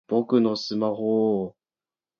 僕のスマホぉぉぉ！